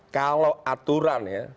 kalau aturan ya